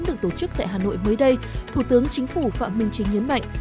được tổ chức tại hà nội mới đây thủ tướng chính phủ phạm minh chính nhấn mạnh